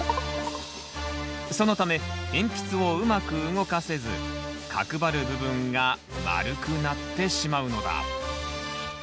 そのため鉛筆をうまく動かせず角張る部分が丸くなってしまうのだ。